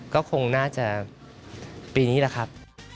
ก็คงน่าจะปีนี้แหละครับ